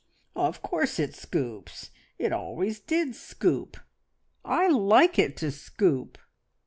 "Of course it scoops. It always did scoop. I like it to scoop."